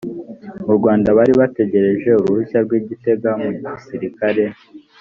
mu rwanda bari bategereje uruhushya rw’ i gitega mu gisirikare